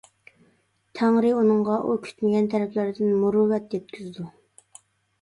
تەڭرى ئۇنىڭغا ئۇ كۈتمىگەن تەرەپلەردىن مۇرۇۋۋەت يەتكۈزىدۇ.